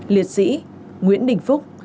liệt sĩ nguyễn đình phúc